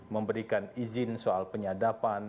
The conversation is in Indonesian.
memberikan izin soal penyadapan